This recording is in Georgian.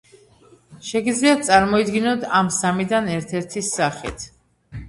შეგიძლიათ წარმოიდგინოთ ამ სამიდან ერთ-ერთი სახით.